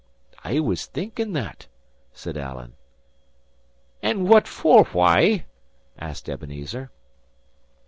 "I was thinking that," said Alan. "And what for why?" asked Ebenezer.